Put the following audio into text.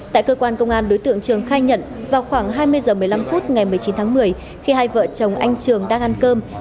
tại cơ quan công an đối tượng trường khai nhận vào khoảng hai mươi h một mươi năm phút ngày một mươi chín tháng một mươi khi hai vợ chồng anh trường đang ăn cơm